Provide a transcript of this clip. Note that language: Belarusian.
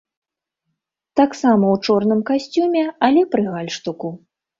Таксама ў чорным касцюме, але пры гальштуку.